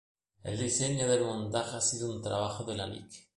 El diseño del montaje ha sido un trabajo de la Lic.